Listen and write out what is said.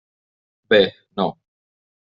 Bé, no.